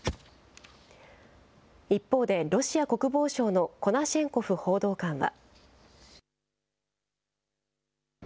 一方で、ロシア国防省のコナシェンコフ報道官は。